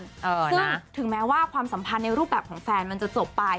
ซึ่งถึงแม้ว่าความสัมพันธ์ในรูปแบบของแฟนมันจะจบไป